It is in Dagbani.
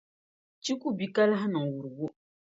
Chi ku bi ka lahi niŋ wurugu